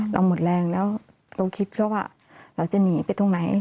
เราหมดแรงแล้วเราคิดเขาว่าเราจะหนีไปตรงไหน